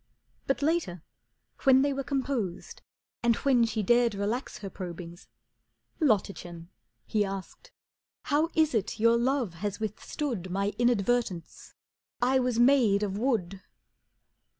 But later when they were composed and when She dared relax her probings, "Lottachen," He asked, "how is it your love has withstood My inadvertence? I was made of wood."